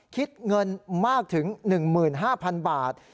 คิดเงินมากถึง๑๕๐๐๐บาท